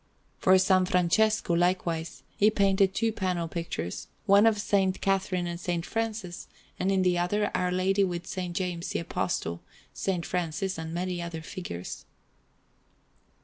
For S. Francesco, likewise, he painted two panel pictures, one of S. Catharine and S. Francis, and in the other Our Lady with S. James the Apostle, S. Francis, and many figures.